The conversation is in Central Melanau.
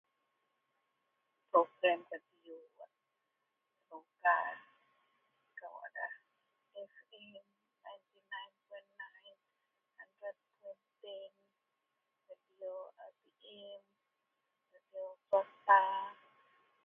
Program radio wak senuka kou adalah… [unintelligible]